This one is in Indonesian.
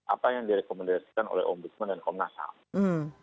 apa yang direkomendasikan oleh ombudsman dan komitmen